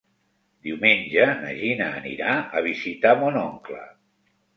Diumenge na Gina anirà a visitar mon oncle.